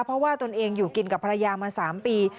เพราะว่าตนเองอยู่กินกับภรรยามา๓ปี